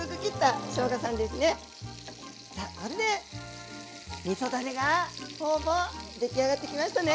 これでみそだれがほぼ出来上がってきましたね！